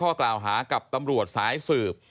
ข้อกล่าวหากับตำรวจสายสืบ